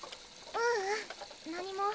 ううん何も。